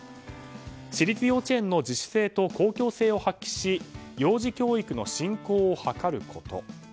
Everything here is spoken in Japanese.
私立幼稚園の自主性と公共性を発揮し幼児教育の振興を図ること。